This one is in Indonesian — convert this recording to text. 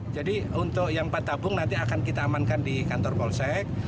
jadi untuk yang empat tabung nanti akan kita amankan di kantor polsek